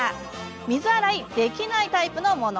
水洗いできないタイプのもの。